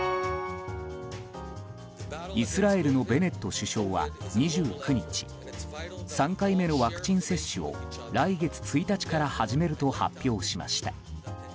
イスラエルのベネット首相は２９日３回目のワクチン接種を来月１日から始めると発表しました。